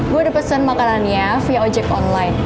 gue udah pesen makanan ya via ojek online